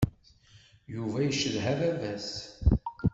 Yuba icedha baba-s.